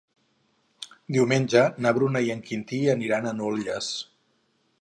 Diumenge na Bruna i en Quintí aniran a Nulles.